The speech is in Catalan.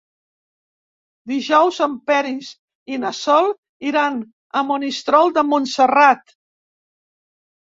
Dijous en Peris i na Sol iran a Monistrol de Montserrat.